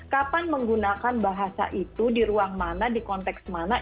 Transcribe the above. kapan menggunakan bahasa itu di ruang mana di konteks mana